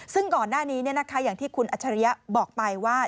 ซึ่งก่อนหน้านี้อย่างที่คุณอัจฉริยะบอกไปว่า